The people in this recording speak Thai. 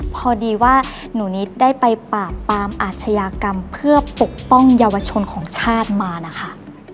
พอดีว่าหนูนิดได้ไปปราบปรามอาชญากรรมเพื่อปกป้องเยาวชนของชาติมานะคะ